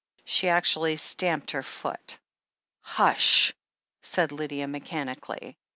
She actually stamped her foot. "Hush!" said Lydia mechanically.